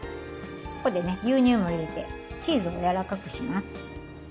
ここでね牛乳も入れてチーズを柔らかくします。